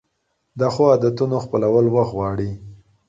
د ښو عادتونو خپلول وخت غواړي.